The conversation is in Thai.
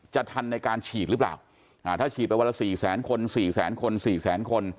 ทันในการฉีดหรือเปล่าถ้าฉีดไปวันละ๔แสนคนสี่แสนคนสี่แสนคน